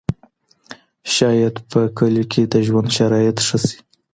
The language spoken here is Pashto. شاید په کليو کې د ژوند شرایط ښه سي.